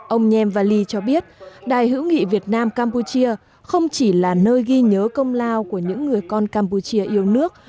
ông nhem vali cho biết đài hữu nghị việt nam campuchia không chỉ là nơi ghi nhớ công lao của những người con campuchia yêu nước